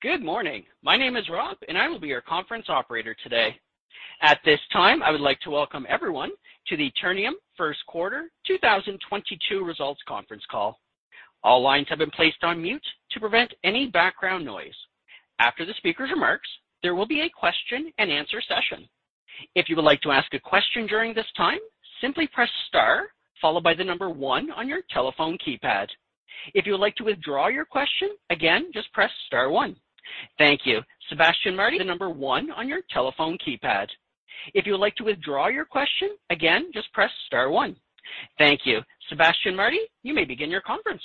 Good morning. My name is Rob, and I will be your conference operator today. At this time, I would like to welcome everyone to the Ternium First Quarter 2022 Results Conference Call. All lines have been placed on mute to prevent any background noise. After the speaker's remarks, there will be a question and answer session. If you would like to ask a question during this time, simply press star followed by the number 1 on your telephone keypad. If you would like to withdraw your question again, just press star one. Thank you. Sebastian Marti, you may begin your conference.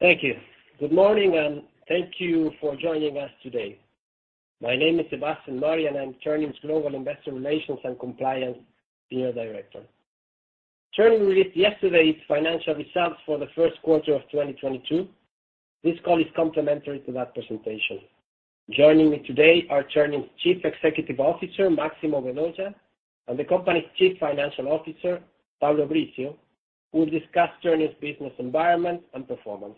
Thank you. Good morning, and thank you for joining us today. My name is Sebastian Marti, and I'm Ternium's Global Investor Relations and Compliance Senior Director. Ternium released yesterday its financial results for the first quarter of 2022. This call is complimentary to that presentation. Joining me today are Ternium's Chief Executive Officer, Máximo Vedoya, and the company's Chief Financial Officer, Pablo Brizzio, who will discuss Ternium's business environment and performance.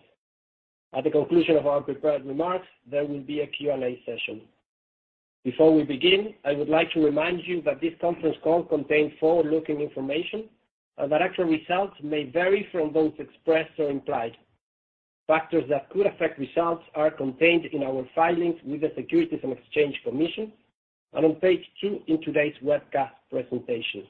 At the conclusion of our prepared remarks, there will be a Q&A session. Before we begin, I would like to remind you that this conference call contains forward-looking information and that actual results may vary from those expressed or implied. Factors that could affect results are contained in our filings with the Securities and Exchange Commission and on page 2 in today's webcast presentation.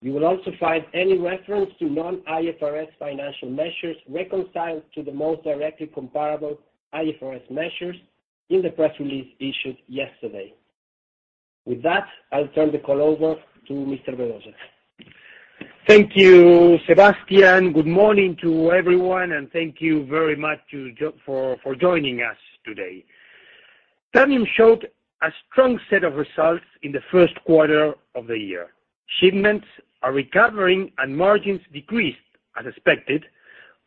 You will also find any reference to non-IFRS financial measures reconciled to the most directly comparable IFRS measures in the press release issued yesterday. With that, I'll turn the call over to Mr. Vedoya. Thank you, Sebastian. Good morning to everyone, and thank you very much for joining us today. Ternium showed a strong set of results in the first quarter of the year. Shipments are recovering, and margins decreased as expected,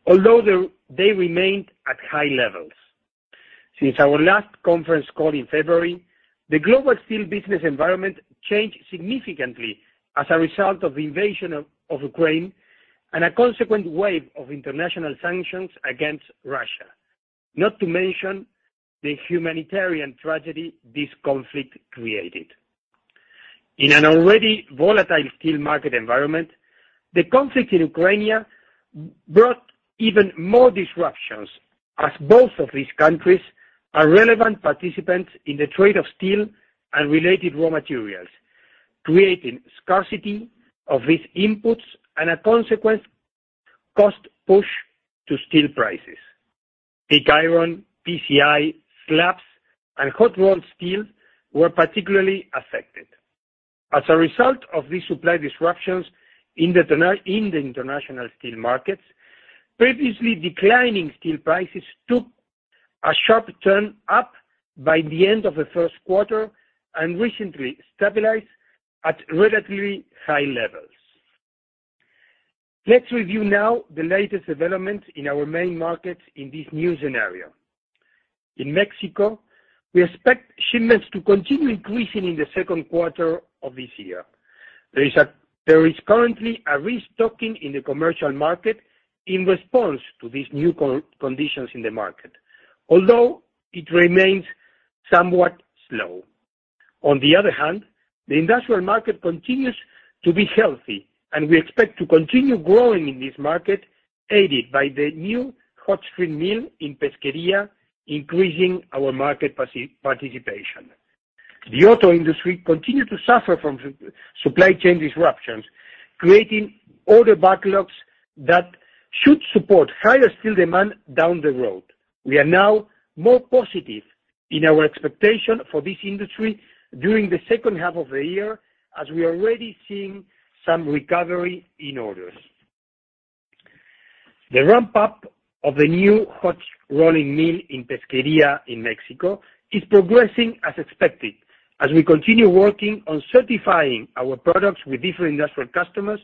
although they remained at high levels. Since our last conference call in February, the global steel business environment changed significantly as a result of the invasion of Ukraine and a consequent wave of international sanctions against Russia, not to mention the humanitarian tragedy this conflict created. In an already volatile steel market environment, the conflict in Ukraine brought even more disruptions as both of these countries are relevant participants in the trade of steel and related raw materials, creating scarcity of these inputs and a consequent cost push to steel prices. Pig iron, PCI, slabs, and hot rolled steel were particularly affected. As a result of these supply disruptions in the international steel markets, previously declining steel prices took a sharp turn up by the end of the first quarter and recently stabilized at relatively high levels. Let's review now the latest developments in our main markets in this new scenario. In Mexico, we expect shipments to continue increasing in the second quarter of this year. There is currently a restocking in the commercial market in response to these new conditions in the market, although it remains somewhat slow. On the other hand, the industrial market continues to be healthy, and we expect to continue growing in this market aided by the new hot-strip mill in Pesquería, increasing our market participation. The auto industry continued to suffer from supply chain disruptions, creating order backlogs that should support higher steel demand down the road. We are now more positive in our expectation for this industry during the second half of the year as we are already seeing some recovery in orders. The ramp-up of the new hot rolling mill in Pesquería, Mexico is progressing as expected as we continue working on certifying our products with different industrial customers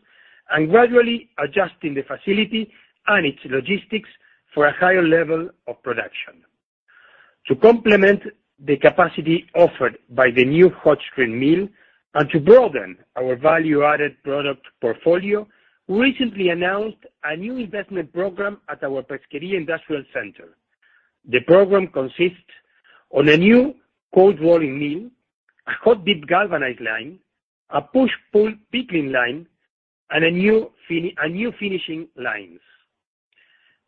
and gradually adjusting the facility and its logistics for a higher level of production. To complement the capacity offered by the new hot-strip mill and to broaden our value-added product portfolio, we recently announced a new investment program at our Pesquería Industrial Center. The program consists of a new cold rolling mill, a hot-dip galvanizing line, a push-pull pickling line, and a new finishing lines.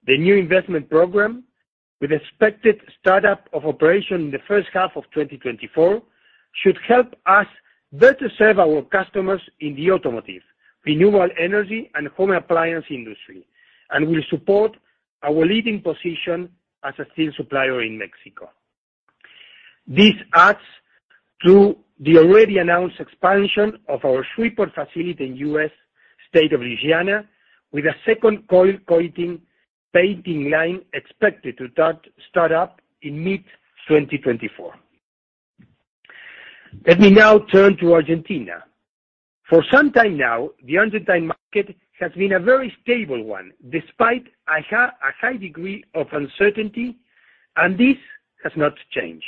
The new investment program, with expected start up of operation in the first half of 2024, should help us better serve our customers in the automotive, renewable energy, and home appliance industry and will support our leading position as a steel supplier in Mexico. This adds to the already announced expansion of our Shreveport facility in U.S. state of Louisiana with a second coil coating painting line expected to start up in mid-2024. Let me now turn to Argentina. For some time now, the Argentine market has been a very stable one despite a high degree of uncertainty, and this has not changed.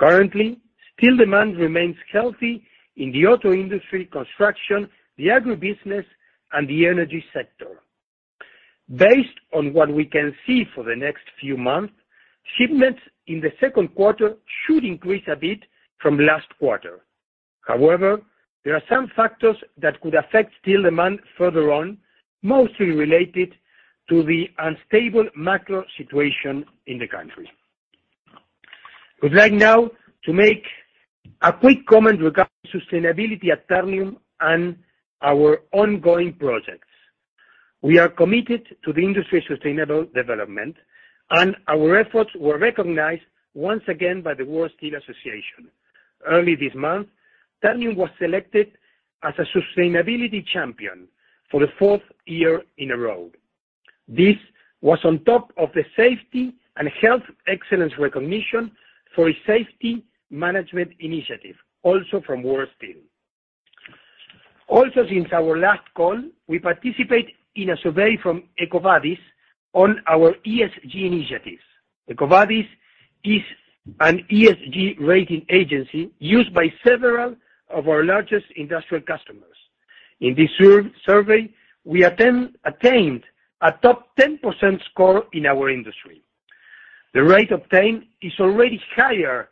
Currently, steel demand remains healthy in the auto industry, construction, the agribusiness, and the energy sector. Based on what we can see for the next few months, shipments in the second quarter should increase a bit from last quarter. However, there are some factors that could affect steel demand further on, mostly related to the unstable macro situation in the country. We'd like now to make a quick comment regarding sustainability at Ternium and our ongoing projects. We are committed to the industry's sustainable development, and our efforts were recognized once again by the World Steel Association. Early this month, Ternium was selected as a sustainability champion for the fourth year in a row. This was on top of the safety and health excellence recognition for its safety management initiative, also from World Steel. Also, since our last call, we participate in a survey from EcoVadis on our ESG initiatives. EcoVadis is an ESG rating agency used by several of our largest industrial customers. In this survey, we attained a top 10% score in our industry. The rate obtained is already higher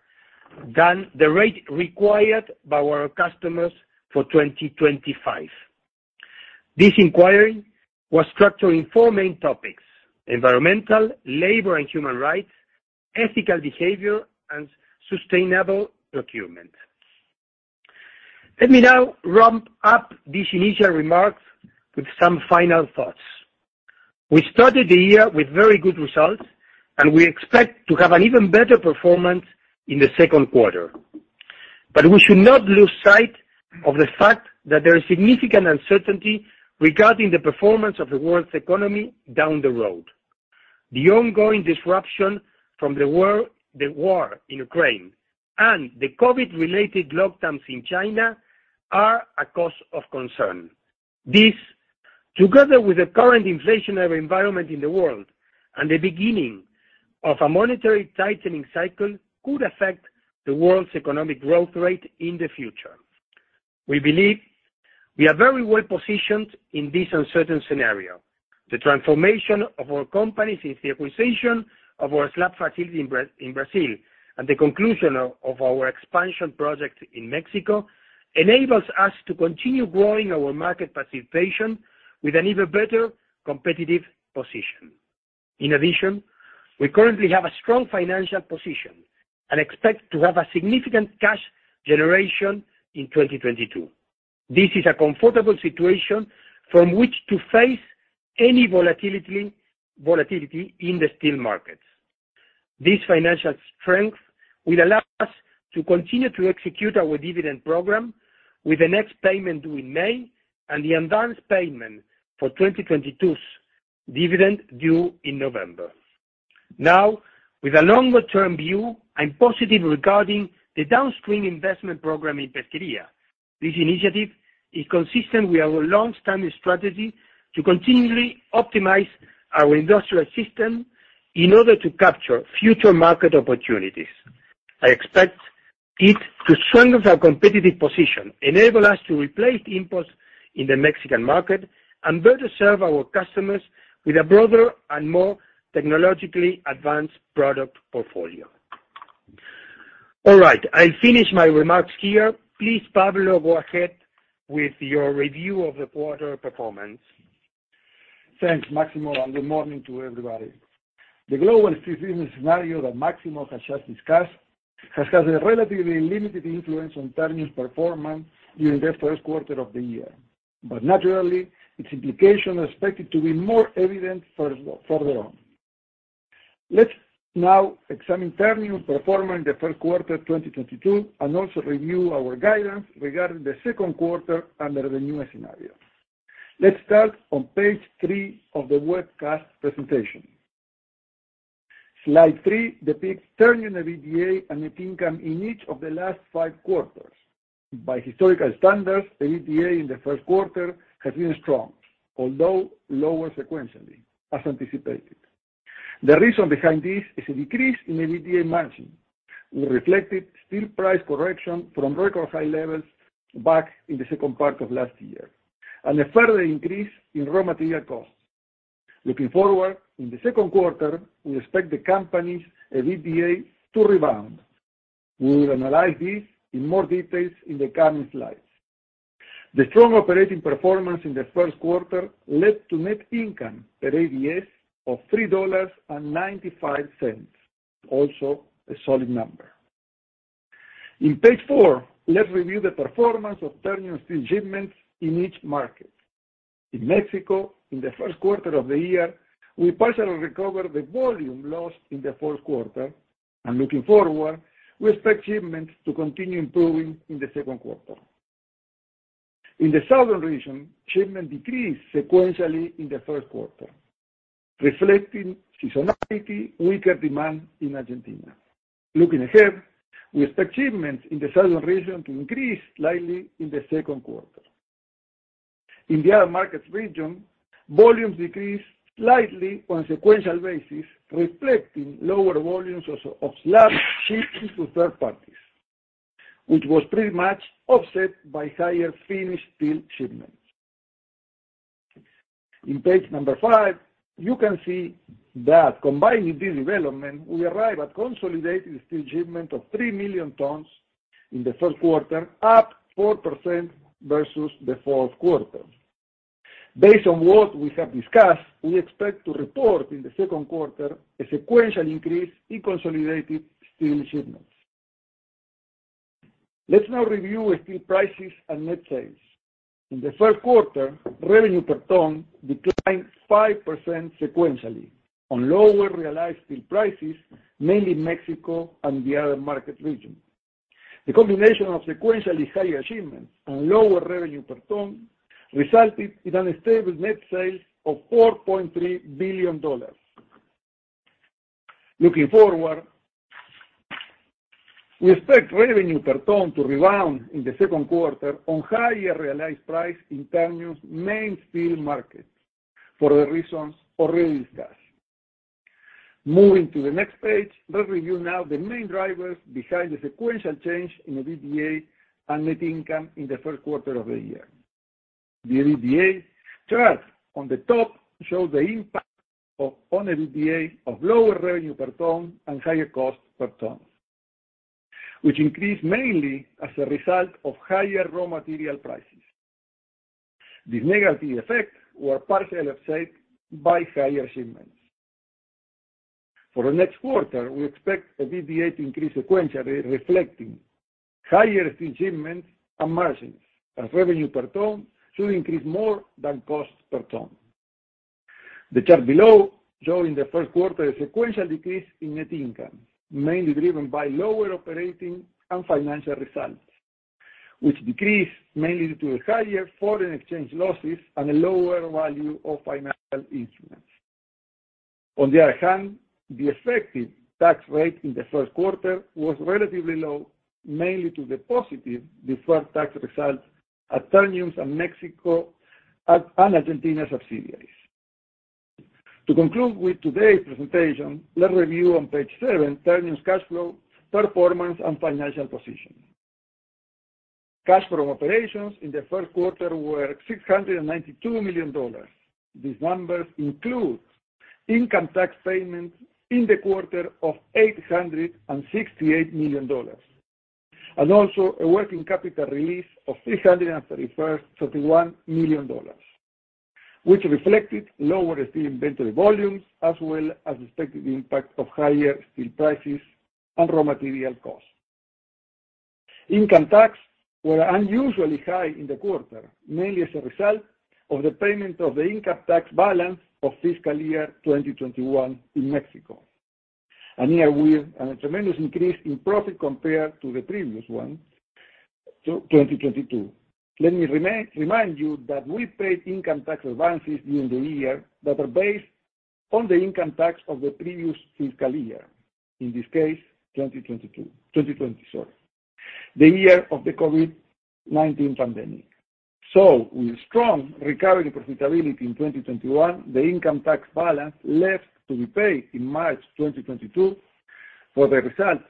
than the rate required by our customers for 2025. This inquiry was structured in four main topics, environmental, labor and human rights, ethical behavior, and sustainable procurement. Let me now wrap up these initial remarks with some final thoughts. We started the year with very good results, and we expect to have an even better performance in the second quarter. We should not lose sight of the fact that there is significant uncertainty regarding the performance of the world's economy down the road. The ongoing disruption from the war in Ukraine and the COVID-related lockdowns in China are a cause of concern. This, together with the current inflationary environment in the world and the beginning of a monetary tightening cycle, could affect the world's economic growth rate in the future. We believe we are very well positioned in this uncertain scenario. The transformation of our company since the acquisition of our slab facility in Brazil and the conclusion of our expansion project in Mexico enables us to continue growing our market participation with an even better competitive position. In addition, we currently have a strong financial position and expect to have a significant cash generation in 2022. This is a comfortable situation from which to face any volatility in the steel markets. This financial strength will allow us to continue to execute our dividend program with the next payment due in May and the advance payment for 2022's dividend due in November. Now, with a longer-term view, I'm positive regarding the downstream investment program in Pesquería. This initiative is consistent with our long-standing strategy to continually optimize our industrial system in order to capture future market opportunities. I expect it to strengthen our competitive position, enable us to replace imports in the Mexican market, and better serve our customers with a broader and more technologically advanced product portfolio. All right, I'll finish my remarks here. Please, Pablo, go ahead with your review of the quarter performance. Thanks, Máximo, and good morning to everybody. The global business scenario that Máximo has just discussed has had a relatively limited influence on Ternium's performance during the first quarter of the year. Naturally, its implication expected to be more evident further on. Let's now examine Ternium's performance in the first quarter 2022 and also review our guidance regarding the second quarter under the newer scenario. Let's start on page three of the webcast presentation. Slide three depicts Ternium EBITDA and net income in each of the last 5 quarters. By historical standards, the EBITDA in the first quarter has been strong, although lower sequentially, as anticipated. The reason behind this is a decrease in EBITDA margin. We reflected steel price correction from record high levels back in the second part of last year, and a further increase in raw material costs. Looking forward, in the second quarter, we expect the company's EBITDA to rebound. We will analyze this in more detail in the coming slides. The strong operating performance in the first quarter led to net income per ADS of $3.95, also a solid number. On page four, let's review the performance of Ternium steel shipments in each market. In Mexico, in the first quarter of the year, we partially recovered the volume lost in the fourth quarter. Looking forward, we expect shipments to continue improving in the second quarter. In the southern region, shipments decreased sequentially in the first quarter, reflecting seasonality, weaker demand in Argentina. Looking ahead, we expect shipments in the southern region to increase slightly in the second quarter. In the other markets region, volumes decreased slightly on sequential basis, reflecting lower volumes of slab shipped to third parties, which was pretty much offset by higher finished steel shipments. In page number five, you can see that combining this development, we arrive at consolidated steel shipment of 3 million tons in the first quarter, up 4% versus the fourth quarter. Based on what we have discussed, we expect to report in the second quarter a sequential increase in consolidated steel shipments. Let's now review steel prices and net sales. In the first quarter, revenue per ton declined 5% sequentially on lower realized steel prices, mainly Mexico and the other market region. The combination of sequentially higher shipments and lower revenue per ton resulted in stable net sales of $4.3 billion. Looking forward, we expect revenue per ton to rebound in the second quarter on higher realized prices in Ternium's main steel markets for the reasons already discussed. Moving to the next page. Let's review now the main drivers behind the sequential change in the EBITDA and net income in the first quarter of the year. The EBITDA chart on the top shows the impact on EBITDA of lower revenue per ton and higher cost per ton, which increased mainly as a result of higher raw material prices. These negative effects were partially offset by higher shipments. For the next quarter, we expect the EBITDA to increase sequentially, reflecting higher steel shipments and margins, as revenue per ton should increase more than cost per ton. The chart below showing the first quarter sequential decrease in net income, mainly driven by lower operating and financial results, which decreased mainly due to higher foreign exchange losses and a lower value of financial instruments. On the other hand, the effective tax rate in the first quarter was relatively low, mainly due to the positive deferred tax results at Ternium's Mexico and Argentina subsidiaries. To conclude with today's presentation, let's review on page seven Ternium's cash flow, performance, and financial position. Cash flow from operations in the first quarter were $692 million. These numbers include income tax payments in the quarter of $868 million, and also a working capital release of $331 million, which reflected lower steel inventory volumes, as well as reflecting the impact of higher steel prices and raw material costs. Income tax were unusually high in the quarter, mainly as a result of the payment of the income tax balance of fiscal year 2021 in Mexico, and here with a tremendous increase in profit compared to the previous one, so 2022. Let me remind you that we paid income tax advances during the year that were based on the income tax of the previous fiscal year, in this case, 2022. 2020, sorry. The year of the COVID-19 pandemic. With strong recovery profitability in 2021, the income tax balance left to be paid in March 2022 for the result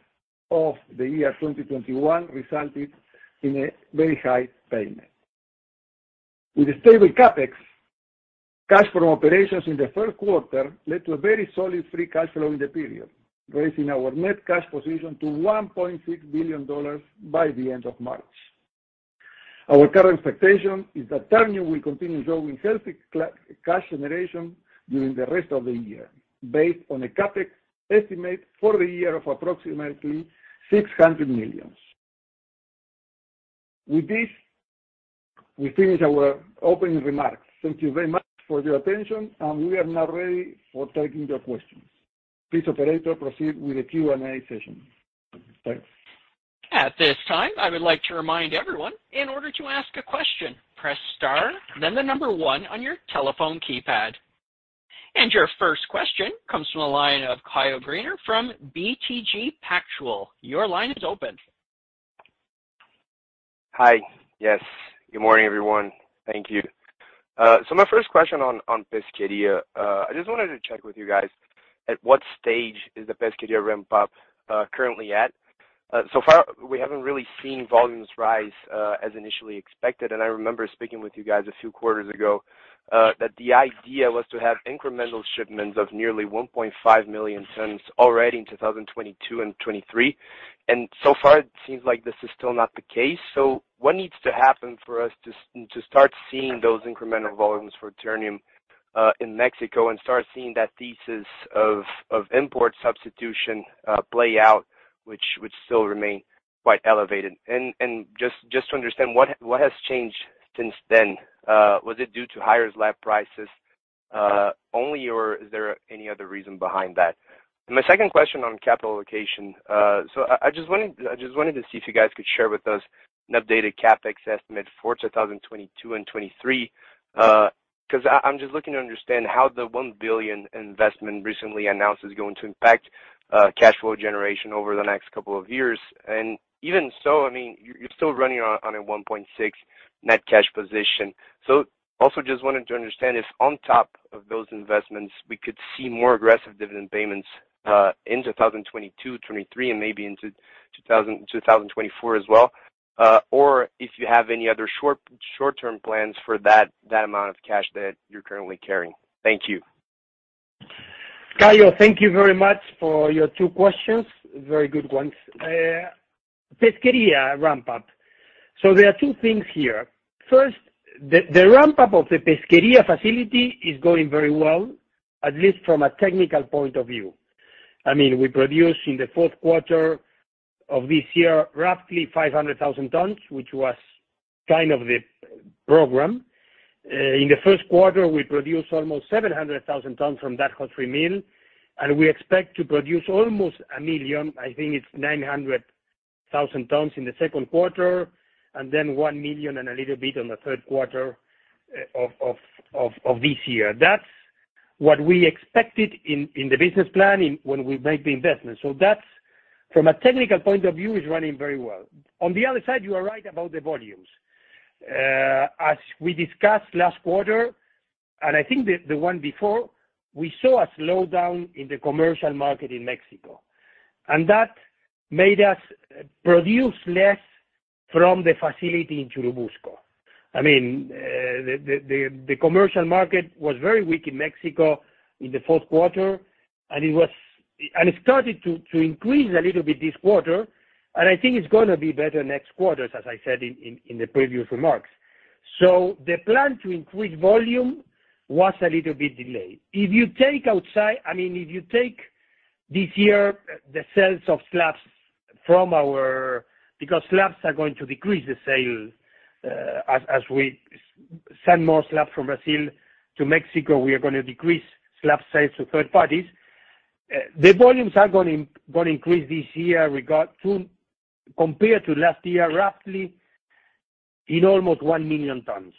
of the year 2021 resulted in a very high payment. With a stable CapEx, cash from operations in the first quarter led to a very solid free cash flow in the period, raising our net cash position to $1.6 billion by the end of March. Our current expectation is that Ternium will continue showing healthy cash generation during the rest of the year, based on a CapEx estimate for the year of approximately $600 million. With this, we finish our opening remarks. Thank you very much for your attention, and we are now ready for taking your questions. Please, operator, proceed with the Q&A session. Thanks. At this time, I would like to remind everyone, in order to ask a question, press star then the number one on your telephone keypad. Your first question comes from the line of Caio Greiner from BTG Pactual. Your line is open. Hi. Yes. Good morning, everyone. Thank you. My first question on Pesquería. I just wanted to check with you guys, at what stage is the Pesquería ramp up currently at? So far we haven't really seen volumes rise as initially expected. I remember speaking with you guys a few quarters ago that the idea was to have incremental shipments of nearly 1.5 million tons already in 2022 and 2023. So far, it seems like this is still not the case. What needs to happen for us to start seeing those incremental volumes for Ternium in Mexico and start seeing that thesis of import substitution play out, which still remain quite elevated? Just to understand, what has changed since then? Was it due to higher slab prices only, or is there any other reason behind that? My second question on capital allocation. I just wanted to see if you guys could share with us an updated CapEx estimate for 2022 and 2023, 'cause I'm just looking to understand how the $1 billion investment recently announced is going to impact cash flow generation over the next couple of years. Even so, I mean, you're still running on a $1.6 net cash position. Also just wanted to understand if on top of those investments, we could see more aggressive dividend payments into 2022, 2023, and maybe into 2024 as well, or if you have any other short-term plans for that amount of cash that you're currently carrying. Thank you. Caio, thank you very much for your two questions, very good ones. Pesquería ramp-up. There are two things here. First, the ramp-up of the Pesquería facility is going very well, at least from a technical point of view. I mean, we produce in the fourth quarter of this year roughly 500,000 tons, which was kind of the program. In the first quarter, we produced almost 700,000 tons from that hot strip mill, and we expect to produce almost a million, I think it's 900,000 tons in the second quarter, and then 1 million and a little bit in the third quarter of this year. That's what we expected in the business plan when we make the investment. That's from a technical point of view is running very well. On the other side, you are right about the volumes. As we discussed last quarter, and I think the one before, we saw a slowdown in the commercial market in Mexico, and that made us produce less from the facility in Churubusco. I mean, the commercial market was very weak in Mexico in the fourth quarter, and it started to increase a little bit this quarter, and I think it's gonna be better next quarters, as I said in the previous remarks. The plan to increase volume was a little bit delayed. If you take this year, the sales of slabs. Because slabs are going to decrease sales, as we send more slabs from Brazil to Mexico, we are gonna decrease slab sales to third parties. The volumes are gonna increase this year with regard to, compared to last year, roughly almost 1 million tons.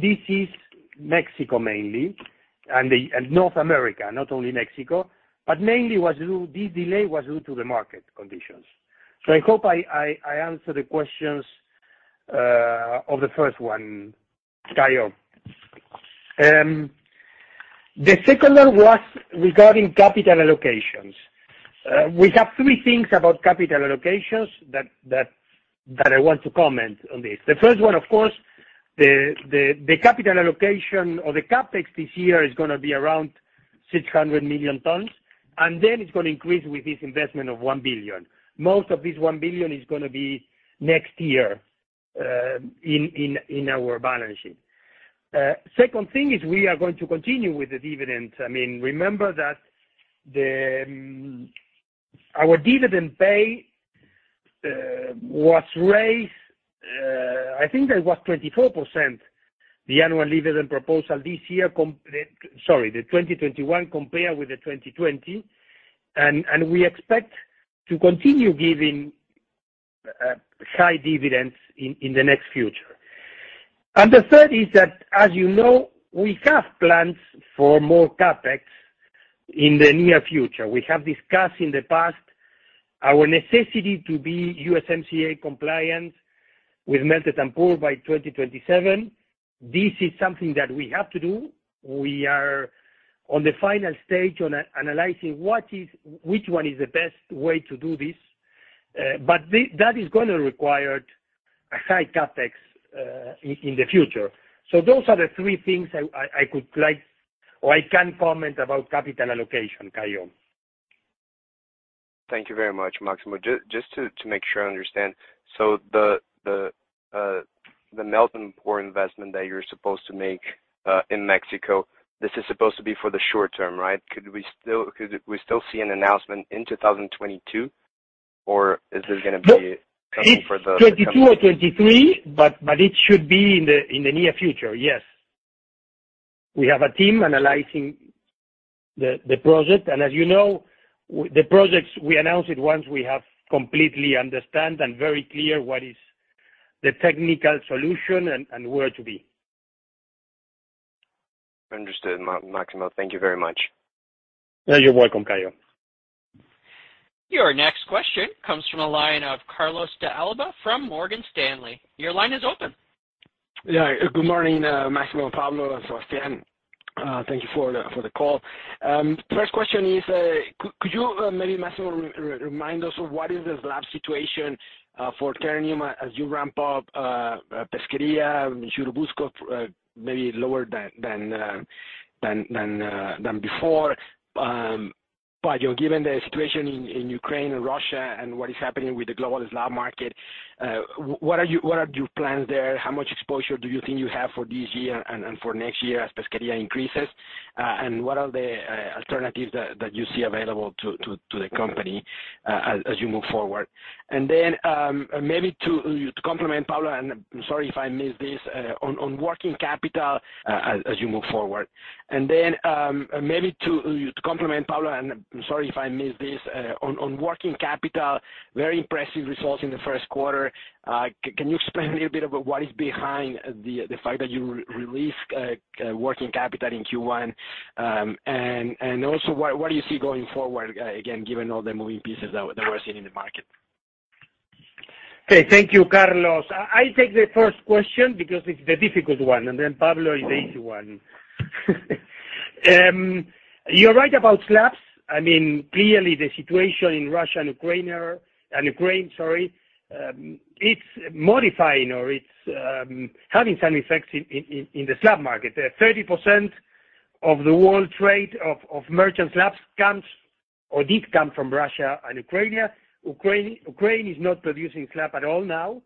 This is Mexico mainly and North America, not only Mexico, but mainly this delay was due to the market conditions. I hope I answered the questions of the first one, Caio. The second one was regarding capital allocations. We have three things about capital allocations that I want to comment on this. The first one, of course, the capital allocation or the CapEx this year is gonna be around $600 million, and then it's gonna increase with this investment of $1 billion. Most of this $1 billion is gonna be next year in our balance sheet. Second thing is we are going to continue with the dividends. I mean, remember that the our dividend pay was raised, I think it was 24%, the annual dividend proposal this year. Sorry, the 2021 compared with the 2020, and we expect to continue giving high dividends in the next future. The third is that, as you know, we have plans for more CapEx in the near future. We have discussed in the past our necessity to be USMCA compliant with melt and pour by 2027. This is something that we have to do. We are on the final stage on analyzing what is, which one is the best way to do this, but that is gonna require a high CapEx in the future. Those are the three things I could like or I can comment about capital allocation, Caio. Thank you very much, Máximo. Just to make sure I understand. The melt and pour investment that you're supposed to make in Mexico, this is supposed to be for the short term, right? Could we still see an announcement in 2022, or is this gonna be- No. -coming for the- It's 22 or 23, but it should be in the near future. Yes. We have a team analyzing the project, and as you know, the projects, we announce it once we have completely understand and very clear what is the technical solution and where to be. Understood, Máximo. Thank you very much. You're welcome, Caio. Your next question comes from the line of Carlos de Alba from Morgan Stanley. Your line is open. Yeah. Good morning, Máximo, Pablo, and Sebastian. Thank you for the call. First question is, could you maybe Máximo remind us of what is the slab situation for Ternium as you ramp up Pesquería and Churubusco, maybe lower than before. You know, given the situation in Ukraine and Russia and what is happening with the global slab market, what are your plans there? How much exposure do you think you have for this year and for next year as Pesquería increases? What are the alternatives that you see available to the company as you move forward? Maybe to complement Pablo, and I'm sorry if I missed this, on working capital. Very impressive results in the first quarter. Can you explain a little bit about what is behind the fact that you released working capital in Q1? Also, what do you see going forward, again, given all the moving pieces that we're seeing in the market? Okay. Thank you, Carlos. I take the first question because it's the difficult one, and then Pablo, the easy one. You're right about slabs. I mean, clearly the situation in Russia and Ukraine are. Ukraine, sorry, it's modifying or it's having some effects in the slab market. 30% of the world trade of merchant slabs comes or did come from Russia and Ukraine. Ukraine is not producing slab at all now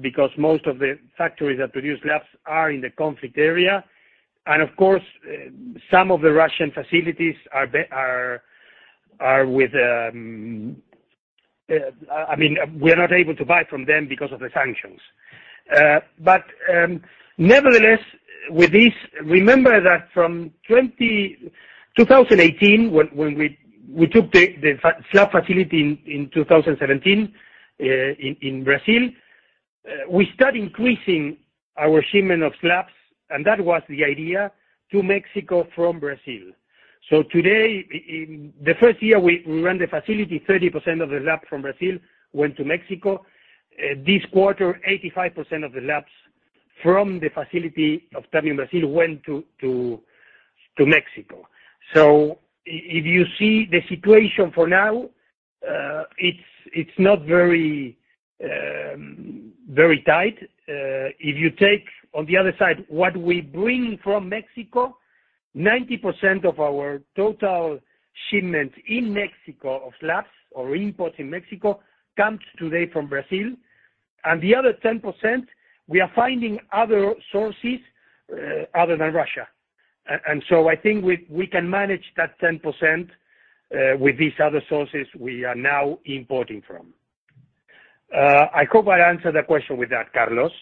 because most of the factories that produce slabs are in the conflict area. Of course, some of the Russian facilities. I mean, we're not able to buy from them because of the sanctions. Nevertheless, with this, remember that from 2018, when we took the slab facility in 2017 in Brazil, we start increasing our shipment of slabs, and that was the idea, to Mexico from Brazil. Today, in the first year we ran the facility, 30% of the slab from Brazil went to Mexico. This quarter, 85% of the slabs from the facility of Ternium Brasil went to Mexico. If you see the situation for now, it's not very tight. If you take on the other side what we bring to Mexico, 90% of our total shipment in Mexico of slabs or imports in Mexico comes today from Brazil, and the other 10%, we are finding other sources other than Russia. I think we can manage that 10%, with these other sources we are now importing from. I hope I answered the question with that, Carlos.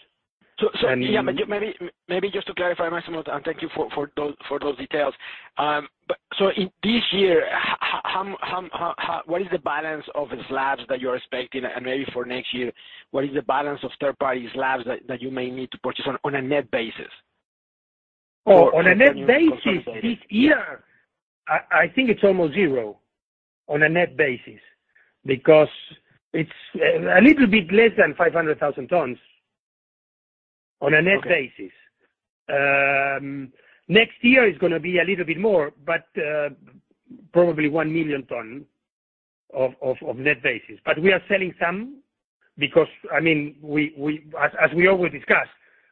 Yeah, maybe just to clarify, Máximo, and thank you for those details. In this year, what is the balance of the slabs that you're expecting? Maybe for next year, what is the balance of third-party slabs that you may need to purchase on a net basis? Oh, on a net basis this year, I think it's almost zero on a net basis because it's a little bit less than 500,000 tons on a net basis. Okay. Next year it's gonna be a little bit more, but probably 1 million tons of net basis. We are selling some because, I mean, as we always discuss,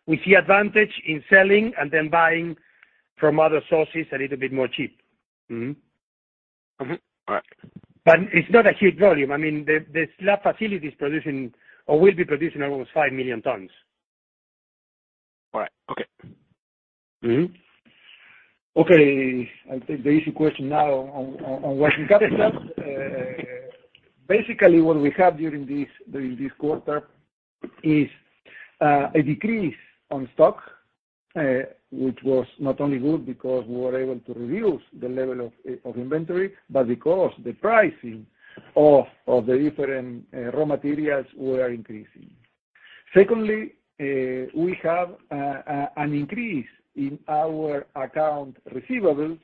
we see advantage in selling and then buying from other sources a little bit more cheap. Mm-hmm. Mm-hmm. All right. It's not a huge volume. I mean, the slab facility is producing or will be producing almost 5 million tons. All right. Okay. Mm-hmm. Okay. I'll take the easy question now on working capital. Basically what we have during this quarter is a decrease on stock, which was not only good because we were able to reduce the level of inventory, but because the pricing of the different raw materials were increasing. Secondly, we have an increase in our account receivables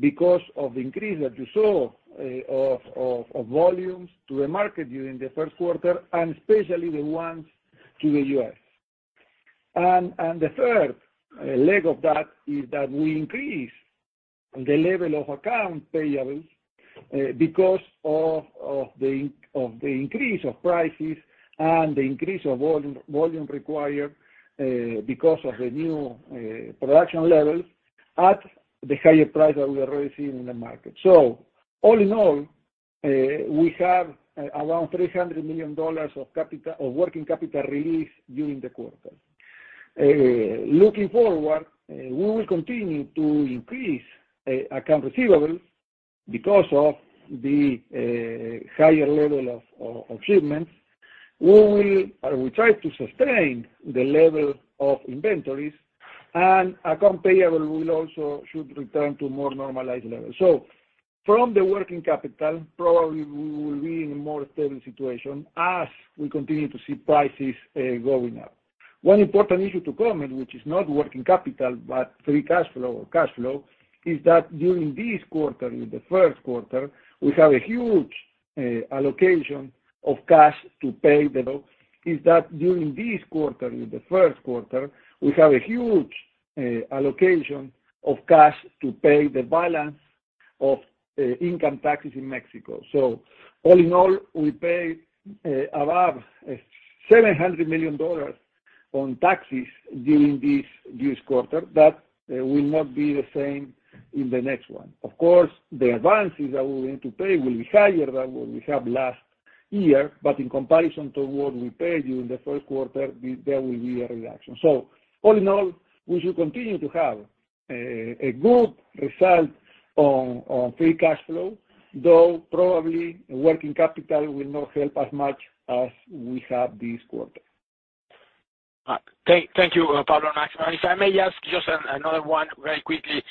because of the increase that you saw of volumes to the market during the first quarter and especially the ones to the U.S. The third leg of that is that we increase the level of account payables because of the increase of prices and the increase of volume required because of the new production levels at the higher price that we are receiving in the market. All in all, we have around $300 million of capital, of working capital release during the quarter. Looking forward, we will continue to increase accounts receivable because of the higher level of shipments. We try to sustain the level of inventories and accounts payable will also should return to more normalized levels. From the working capital, probably we will be in a more stable situation as we continue to see prices going up. One important issue to comment, which is not working capital, but free cash flow or cash flow, is that during this quarter, in the first quarter, we have a huge allocation of cash to pay the bill. In that during this quarter, in the first quarter, we have a huge allocation of cash to pay the balance of income taxes in Mexico. All in all, we pay around $700 million on taxes during this quarter. That will not be the same in the next one. Of course, the advances that we're going to pay will be higher than what we have last year, but in comparison to what we paid during the first quarter, there will be a reduction. All in all, we should continue to have a good result on free cash flow, though probably working capital will not help as much as we have this quarter. Thank you, Pablo and Máximo. If I may ask just another one very quickly.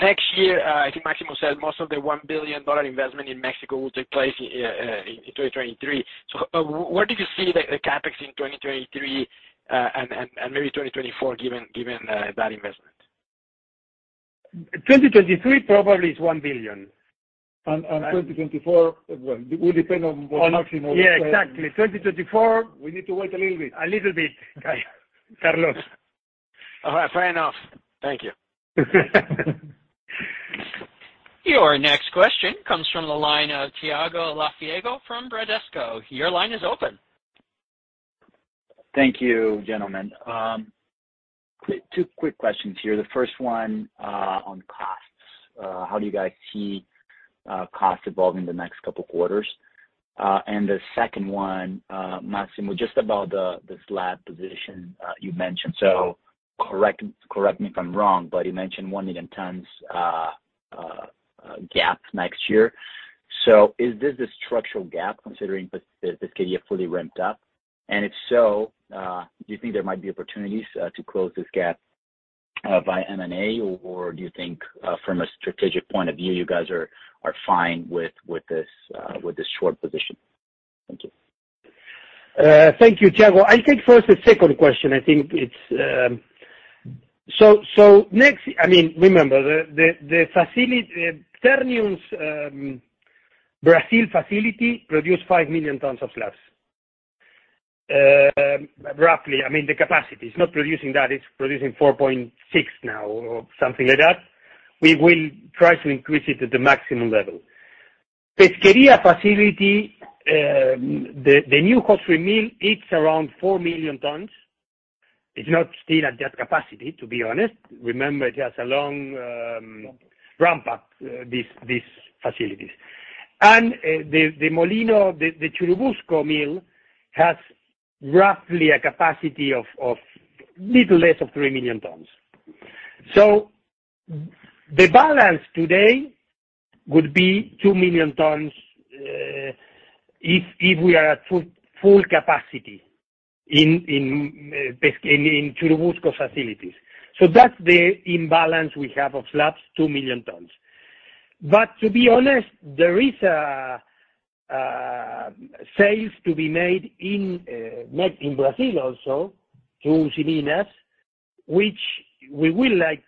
Next year, I think Máximo said most of the $1 billion investment in Mexico will take place in 2023. Where did you see the CapEx in 2023 and maybe 2024 given that investment? 2023 probably is $1 billion. 2024, well, it will depend on what Máximo says. Yeah, exactly. 2024- We need to wait a little bit. A little bit. Carlos. All right, fair enough. Thank you. Your next question comes from the line of Thiago Lofiego from Bradesco. Your line is open. Thank you, gentlemen. Two quick questions here. The first one, on costs. How do you guys see costs evolving the next couple quarters? The second one, Máximo, just about the slab position you mentioned. Correct me if I'm wrong, but you mentioned 1 million tons gap next year. Is this a structural gap considering Pesquería fully ramped up? If so, do you think there might be opportunities to close this gap by M&A, or do you think, from a strategic point of view, you guys are fine with this short position? Thank you. Thank you, Thiago. I'll take first the second question. I think it's. Next, I mean, remember Ternium's Brazil facility produce 5 million tons of slabs. Roughly, I mean, the capacity. It's not producing that. It's producing 4.6 now or something like that. We will try to increase it to the maximum level. Pesquería facility, the new hot strip mill, it's around 4 million tons. It's not still at that capacity, to be honest. Remember, it has a long ramp up, these facilities. The Molino, the Churubusco mill has roughly a capacity of a little less than 3 million tons. The balance today would be 2 million tons, if we are at full capacity in Churubusco facilities. That's the imbalance we have of slabs, 2 million tons. To be honest, there are sales to be made in Brazil also through Usiminas, which we would like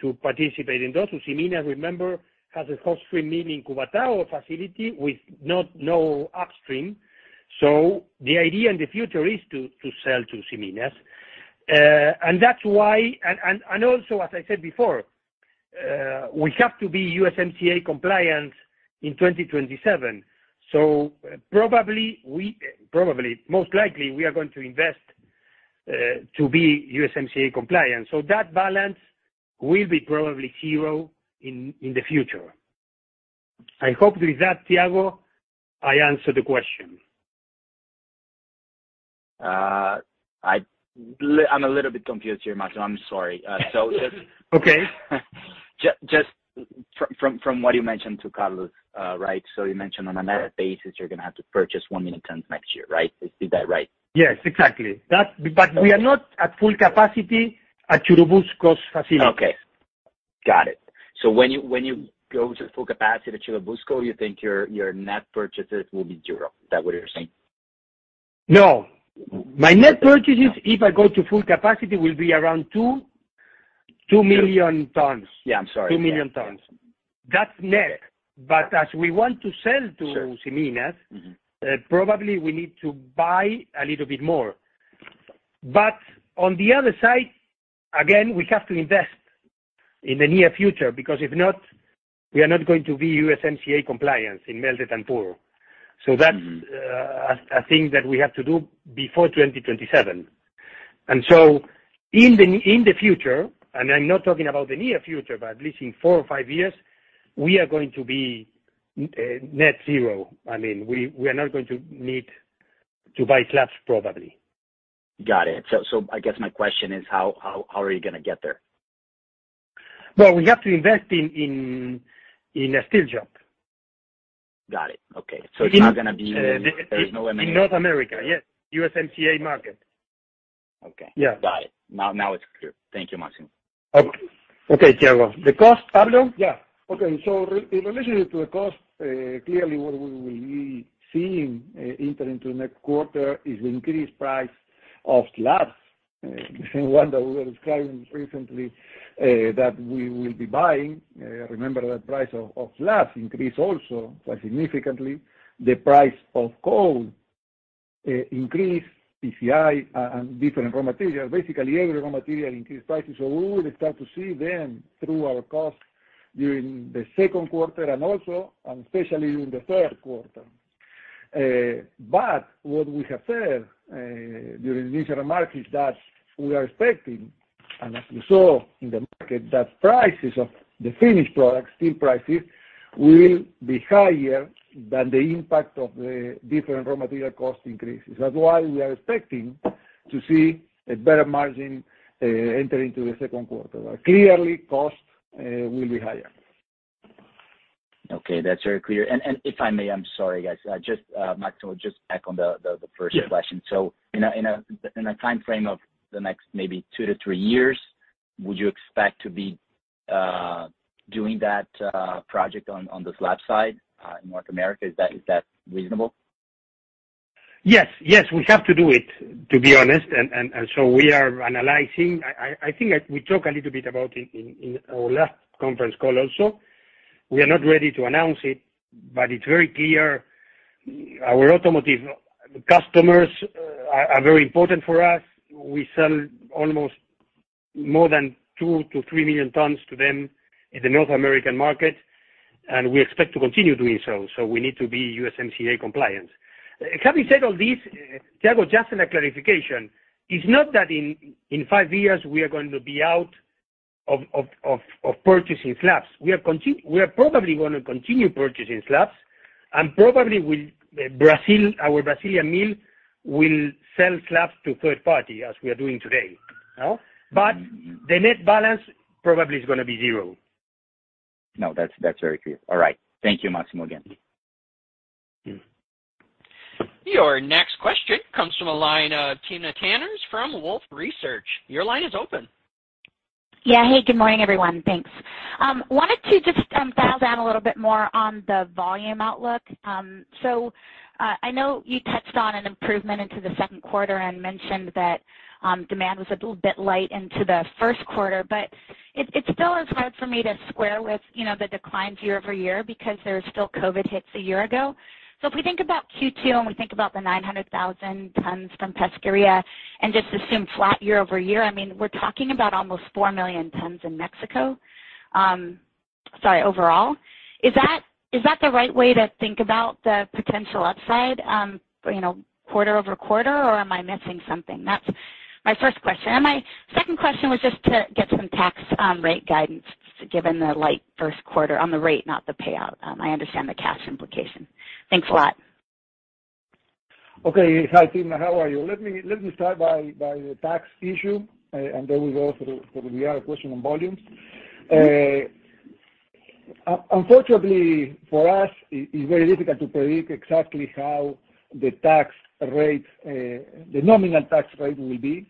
to participate in. Usiminas, remember, has a hot strip mill in Cubatão facility with no upstream. The idea in the future is to sell to Usiminas. That's why also, as I said before, we have to be USMCA compliant in 2027. Probably most likely we are going to invest to be USMCA compliant. That balance will be probably zero in the future. I hope with that, Thiago, I answered the question. I'm a little bit confused here, Máximo. I'm sorry. just- Okay. Just from what you mentioned to Carlos, right? You mentioned on a net basis, you're gonna have to purchase 1 million tons next year, right? Is that right? Yes, exactly. We are not at full capacity at Churubusco's facility. Okay. Got it. When you go to full capacity at Churubusco, you think your net purchases will be zero. Is that what you're saying? No. My net purchases, if I go to full capacity, will be around 2 million tons. Yeah, I'm sorry. 2 million tons. That's net. As we want to sell to Usiminas- Mm-hmm. probably we need to buy a little bit more. On the other side, again, we have to invest in the near future because if not, we are not going to be USMCA compliant in melt and pour. That's a thing that we have to do before 2027. In the future, and I'm not talking about the near future, but at least in four or five years, we are going to be net zero. I mean, we are not going to need to buy slabs probably. Got it. I guess my question is how are you gonna get there? Well, we have to invest in a steel job. Got it. Okay. It's not gonna be. In, uh- There is no M&A. In North America, yeah. USMCA market. Okay. Yeah. Got it. Now it's clear. Thank you, Máximo. Okay, Thiago. The cost, Pablo? Yeah. Okay. In relation to the cost, clearly what we will be seeing enter into next quarter is increased price of slabs. The same one that we were describing recently that we will be buying. Remember that price of slabs increase also quite significantly. The price of coal increase PCI and different raw material. Basically, every raw material increase prices. We will start to see them through our costs during the second quarter and also and especially in the third quarter. But what we have said during initial remarks that we are expecting, and as you saw in the market, that prices of the finished products, steel prices, will be higher than the impact of the different raw material cost increases. That's why we are expecting to see a better margin enter into the second quarter. Clearly, costs will be higher. Okay, that's very clear. If I may, I'm sorry, guys. Just, Máximo, just to tack on the first question. Yeah. In a timeframe of the next maybe 2-3 years, would you expect to be doing that project on the slab side in North America? Is that reasonable? Yes. Yes, we have to do it, to be honest. We are analyzing. I think we talked a little bit about it in our last conference call also. We are not ready to announce it, but it's very clear our automotive customers are very important for us. We sell almost more than 2-3 million tons to them in the North American market, and we expect to continue doing so we need to be USMCA compliant. Having said all this, Thiago, just a clarification. It's not that in 5 years we are going to be out of purchasing slabs. We are probably gonna continue purchasing slabs and probably Brazil, our Brazilian mill will sell slabs to third party as we are doing today. No? The net balance probably is gonna be zero. No, that's very clear. All right. Thank you, Máximo, again. Mm-hmm. Your next question comes from the line of Timna Tanners from Wolfe Research. Your line is open. Yeah. Hey, good morning, everyone. Thanks. Wanted to just dial down a little bit more on the volume outlook. I know you touched on an improvement into the second quarter and mentioned that demand was a little bit light into the first quarter, but it still is hard for me to square with, you know, the declines year-over-year because there's still COVID-19 hits a year ago. If we think about Q2, and we think about the 900,000 tons from Pesquería and just assume flat year-over-year, I mean, we're talking about almost 4 million tons in Mexico. Sorry, overall. Is that the right way to think about the potential upside, you know, quarter-over-quarter, or am I missing something? That's my first question. My second question was just to get some tax rate guidance given the light first quarter on the rate, not the payout. I understand the cash implication. Thanks a lot. Okay. Hi, Timna. How are you? Let me start by the tax issue, and then we go for the other question on volumes. Unfortunately, for us, it's very difficult to predict exactly how the tax rate, the nominal tax rate will be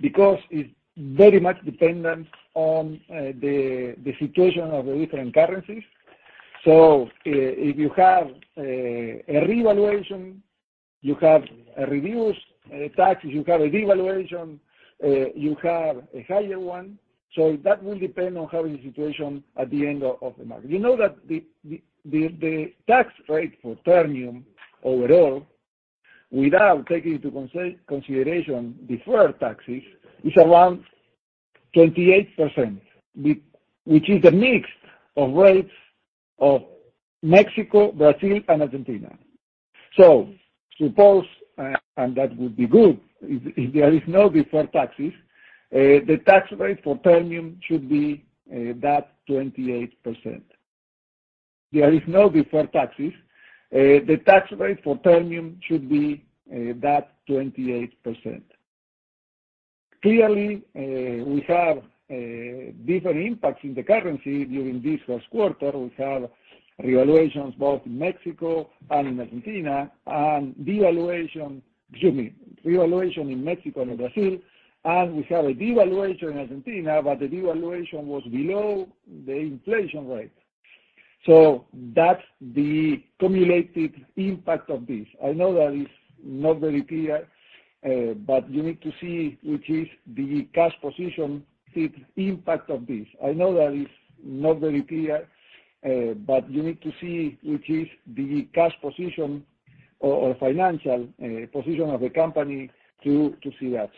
because it's very much dependent on the situation of the different currencies. If you have a revaluation, you have a reduced tax. If you have a devaluation, you have a higher one. That will depend on how the situation at the end of the market. We know that the tax rate for Ternium overall, without taking into consideration deferred taxes, is around 28%, which is a mix of rates of Mexico, Brazil, and Argentina. Suppose that would be good if there is no deferred taxes, the tax rate for Ternium should be that 28%. Clearly, we have different impacts in the currency during this first quarter. We have revaluation in Mexico and Brazil, and we have a devaluation in Argentina, but the devaluation was below the inflation rate. That's the cumulative impact of this. I know that is not very clear, but you need to see which is the cash position, the impact of this. I know that is not very clear, but you need to see which is the cash position or financial position of the company to see that.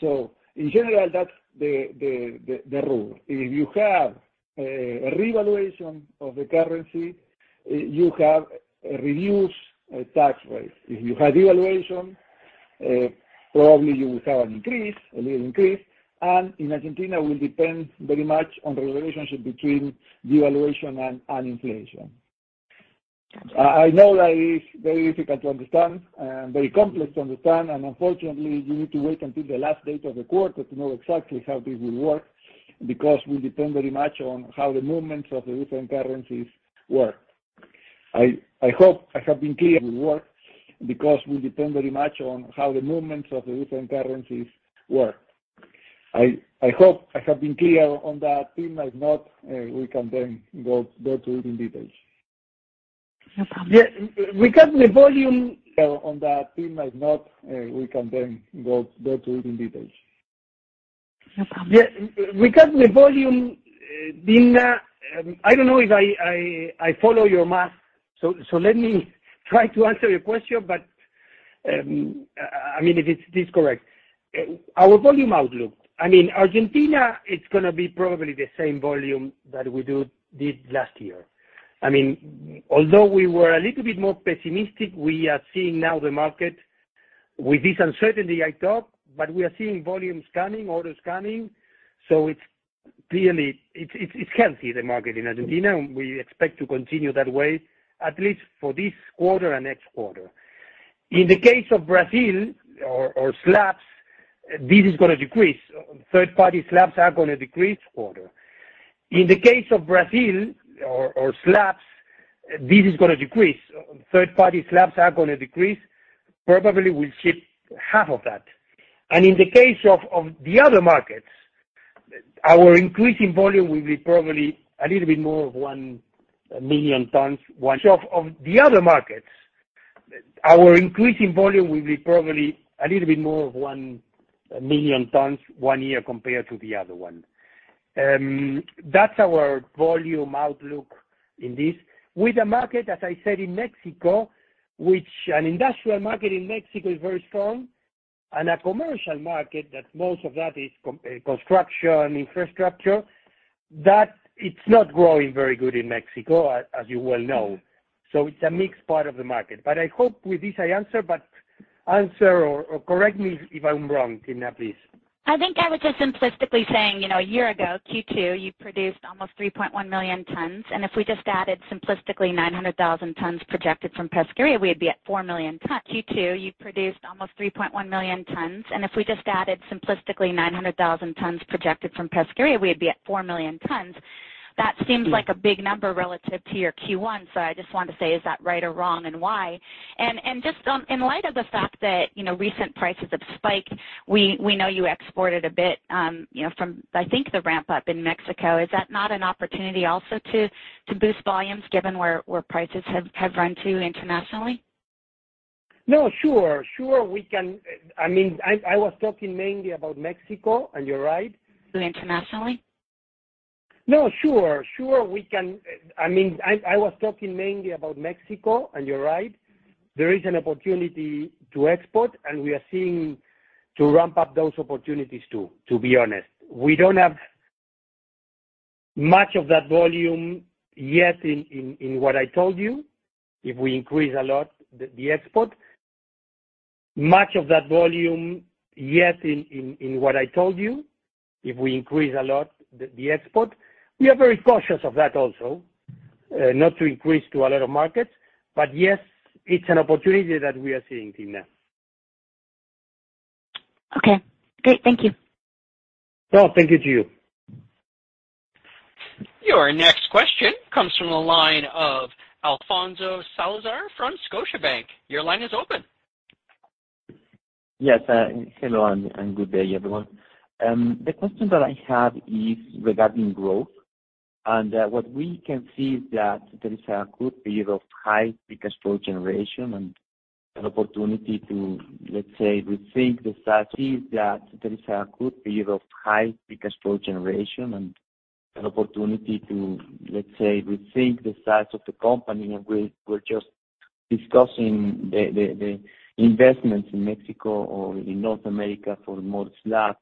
In general, that's the rule. If you have a revaluation of the currency, you have a reduced tax rate. If you have devaluation, probably you will have an increase, a little increase. In Argentina, it will depend very much on the relationship between devaluation and inflation. I know that is very difficult to understand and very complex to understand, and unfortunately, you need to wait until the last date of the quarter to know exactly how this will work because we depend very much on how the movements of the different currencies work. I hope I have been clear on that. Timna, if not, we can then go through in details. No problem. Yeah. Regarding the volume. On that, Timna, if not, we can then go through in details. No problem. Regarding the volume, Timna, I don't know if I follow your math. Let me try to answer your question. I mean, if this is correct. Our volume outlook. I mean, Argentina, it's gonna be probably the same volume that we did last year. I mean, although we were a little bit more pessimistic, we are seeing now the market with this uncertainty, I thought, but we are seeing volumes coming, orders coming. It's clearly healthy, the market in Argentina, and we expect to continue that way, at least for this quarter and next quarter. In the case of Brazil slabs, this is gonna decrease. Third-party slabs are gonna decrease this quarter. Probably, we'll ship half of that. In the case of the other markets. Our increase in volume will be probably a little bit more than 1 million tons 1 year compared to the other one. That's our volume outlook in this. With the market, as I said, in Mexico, which an industrial market in Mexico is very strong and a commercial market that most of that is construction, infrastructure, that it's not growing very good in Mexico, as you well know. It's a mixed part of the market. I hope with this I answer or correct me if I'm wrong, Timna, please. I think I was just simplistically saying, you know, a year ago, Q2, you produced almost 3.1 million tons, and if we just added simplistically 900,000 tons projected from Pesquería, we'd be at 4 million tons. That seems like a big number relative to your Q1, so I just wanted to say, is that right or wrong and why? Just on, in light of the fact that, you know, recent prices have spiked, we know you exported a bit, you know, from, I think the ramp-up in Mexico. Is that not an opportunity also to boost volumes given where prices have run to internationally? No, sure. I mean, I was talking mainly about Mexico, and you're right. Internationally? No, sure. I mean, I was talking mainly about Mexico, and you're right. There is an opportunity to export, and we are seeing to ramp up those opportunities, too, to be honest. We don't have much of that volume yet in what I told you. If we increase a lot the export. We are very cautious of that also, not to increase to a lot of markets. Yes, it's an opportunity that we are seeing, Timna. Okay, great. Thank you. No, thank you to you. Your next question comes from the line of Alfonso Salazar from Scotiabank. Your line is open. Yes, hello and good day, everyone. The question that I have is regarding growth. What we can see is that there is a good period of high free cash flow generation and an opportunity to, let's say, rethink the size of the company. We were just discussing the investments in Mexico or in North America for more slab.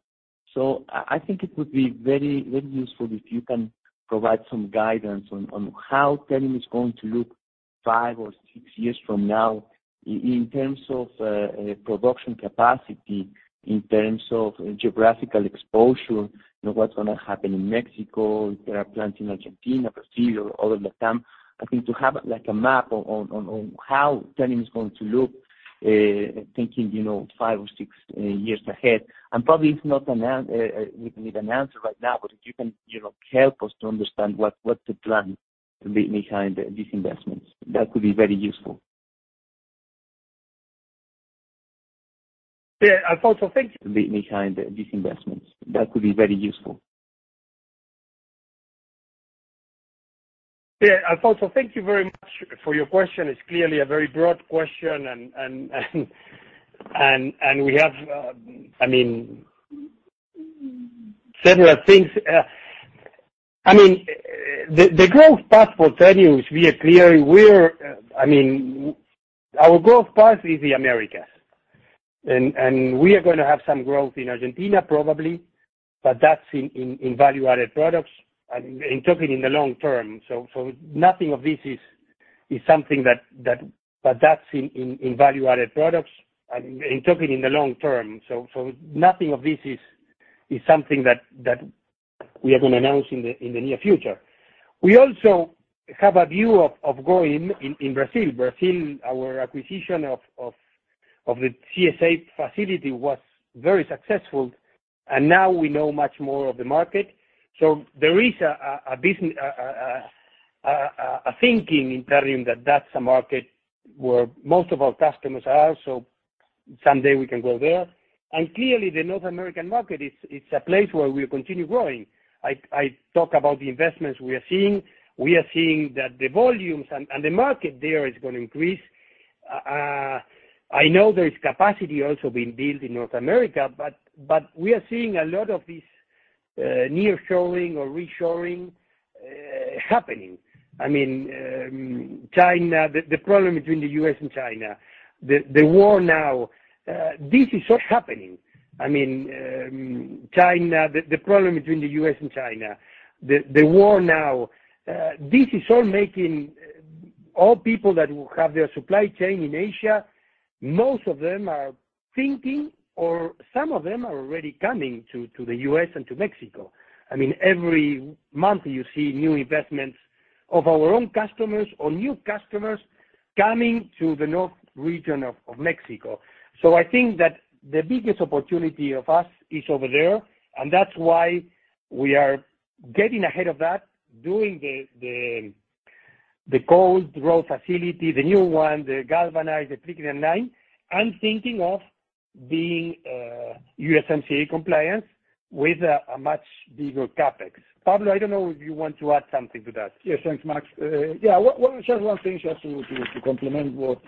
I think it would be very useful if you can provide some guidance on how Ternium is going to look five or six years from now in terms of production capacity, in terms of geographical exposure, you know, what's gonna happen in Mexico, if there are plants in Argentina, Brazil, all of LATAM. I think to have like a map on how Ternium is going to look, thinking, you know, 5 or 6 years ahead. Probably it's not an answer we need right now, but if you can, you know, help us to understand what's the plan behind these investments, that could be very useful. Yeah. Alfonso, thank Behind these investments, that could be very useful. Yeah. Alfonso, thank you very much for your question. It's clearly a very broad question and we have, I mean, several things. I mean, our growth path is the America and we are gonna have some growth in Argentina probably, but that's in value-added products and I'm talking in the long term. Nothing of this is something that we are gonna announce in the near future. We also have a view of growing in Brazil. Brazil, our acquisition of the CSA facility was very successful, and now we know much more of the market. There is a business thinking in Ternium that that's a market where most of our customers are, so someday we can go there. Clearly the North American market is a place where we'll continue growing. I talk about the investments we are seeing. We are seeing that the volumes and the market there is gonna increase. I know there is capacity also being built in North America, but we are seeing a lot of this nearshoring or reshoring happening. I mean, China, the problem between the U.S. and China, the war now, this is all happening. I mean, China, the problem between the U.S. and China, the war now, this is all making all people that have their supply chain in Asia, most of them are thinking or some of them are already coming to the U.S. and to Mexico. I mean, every month you see new investments of our own customers or new customers coming to the north region of Mexico. I think that the biggest opportunity of us is over there, and that's why we are getting ahead of that, doing the. The cold roll facility, the new one, the galvanized, the 309, I'm thinking of being USMCA compliant with a much bigger CapEx. Pablo, I don't know if you want to add something to that. Yes, thanks, Max. Yeah. Just one thing just to complement what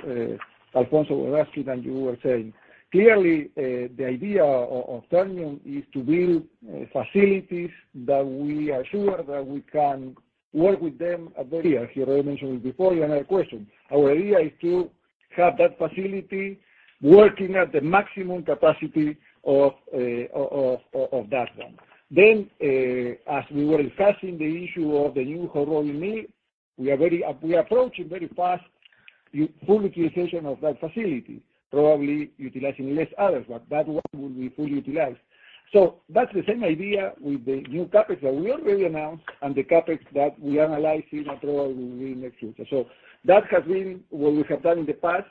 Alfonso asked and you were saying. Clearly, the idea of Ternium is to build facilities that we are sure that we can work with them very Yes. Here, I mentioned it before in a question. Our idea is to have that facility working at the maximum capacity of that one. As we were discussing the issue of the new hot strip mill, we are approaching very fast full utilization of that facility, probably utilizing less others, but that one will be fully utilized. That's the same idea with the new CapEx that we already announced and the CapEx that we analyze in October will be next future. That has been what we have done in the past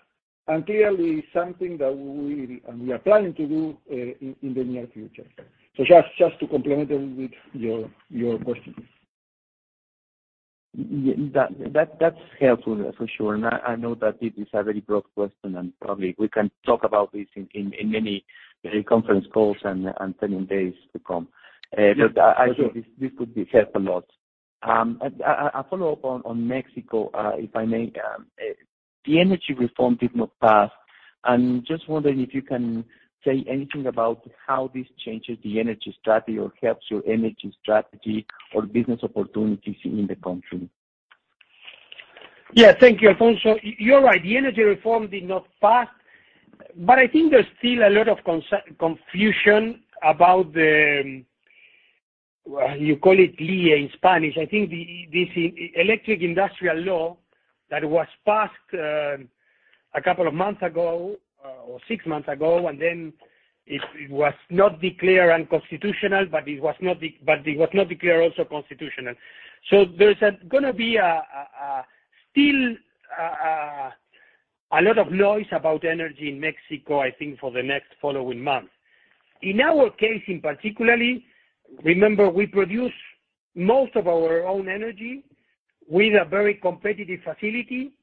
and clearly something that we are planning to do in the near future. Just to complement a little bit your questions. Yeah. That's helpful for sure. I know that it is a very broad question, and probably we can talk about this in many conference calls and Ternium days to come. Yes, for sure. But I think this could be helped a lot. A follow-up on Mexico, if I may. The energy reform did not pass. Just wondering if you can say anything about how this changes the energy strategy or helps your energy strategy or business opportunities in the country. Yeah. Thank you, Alfonso. You're right, the energy reform did not pass. I think there's still a lot of confusion about the, well, you call it LIE in Spanish. I think the, this Electric Industry Law that was passed, a couple of months ago, or six months ago, and then it was not declared unconstitutional, but it was not declared also constitutional. There's gonna be a still a lot of noise about energy in Mexico, I think, for the next following months. In our case in particular, remember, we produce most of our own energy with a very competitive facility.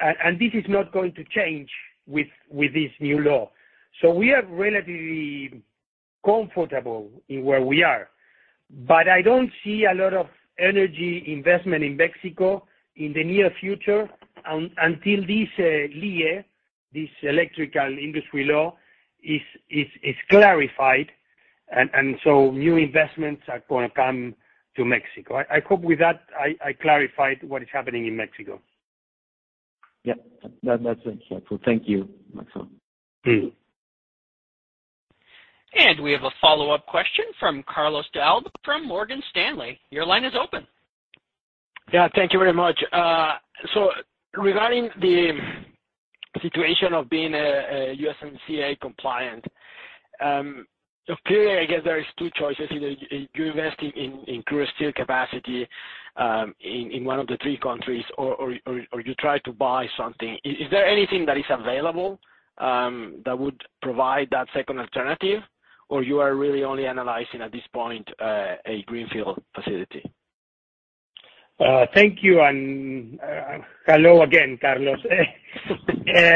This is not going to change with this new law. We are relatively comfortable in where we are. I don't see a lot of energy investment in Mexico in the near future until this LIE, this electrical industry law, is clarified and so new investments are gonna come to Mexico. I hope with that I clarified what is happening in Mexico. Yeah. That, that's it. Thank you, Máximo. We have a follow-up question from Carlos de Alba from Morgan Stanley. Your line is open. Yeah. Thank you very much. Regarding the situation of being USMCA compliant, clearly, I guess there is two choices. Either you invest in crude steel capacity in one of the three countries or you try to buy something. Is there anything that is available that would provide that second alternative? Or you are really only analyzing at this point a greenfield facility? Thank you. Hello again, Carlos.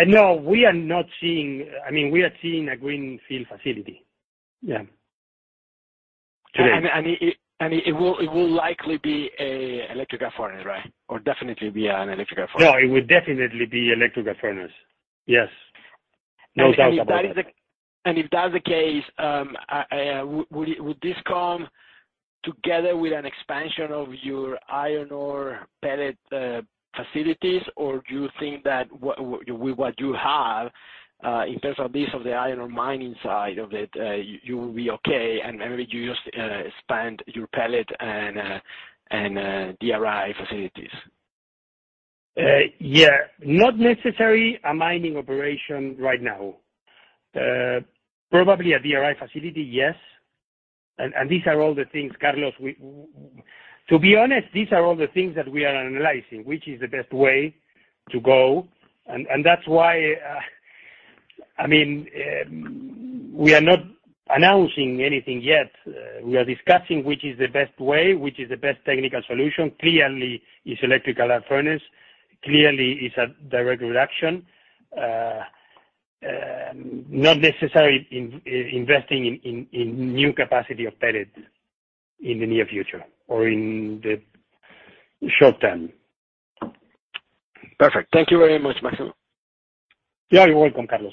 No, I mean, we are seeing a greenfield facility. It will likely be an electric furnace, right? Or definitely be an electric furnace? No, it would definitely be electric furnace. Yes. No doubt about it. If that's the case, would this come together with an expansion of your iron ore pellet facilities? Or do you think that with what you have in terms of this, of the iron ore mining side of it, you will be okay and maybe you just expand your pellet and DRI facilities? Yeah. Not necessarily a mining operation right now. Probably a DRI facility, yes. These are all the things, Carlos, that we are analyzing, to be honest, which is the best way to go. That's why, I mean, we are not announcing anything yet. We are discussing which is the best way, which is the best technical solution. Clearly, it's electric furnace. Clearly, it's a direct reduction. Not necessarily investing in new capacity of pellets in the near future or in the short term. Perfect. Thank you very much, Maximo. Yeah, you're welcome, Carlos.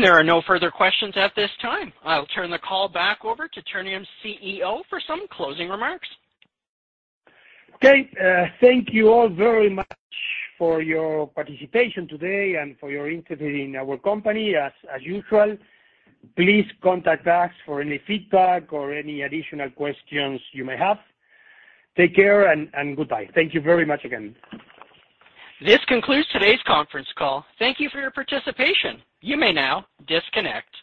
There are no further questions at this time. I'll turn the call back over to Ternium's CEO for some closing remarks. Okay. Thank you all very much for your participation today and for your interest in our company. As usual, please contact us for any feedback or any additional questions you may have. Take care and goodbye. Thank you very much again. This concludes today's conference call. Thank you for your participation. You may now disconnect.